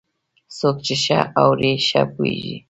څوک چې ښه اوري، ښه پوهېږي.